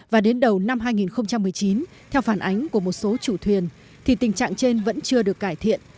và đến đầu năm hai nghìn một mươi chín theo phản ánh của một số chủ thuyền thì tình trạng trên vẫn chưa được cải thiện